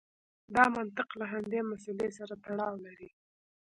دا منطق له همدې مسئلې سره تړاو لري.